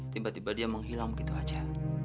tiba tiba dia menghilang begitu saja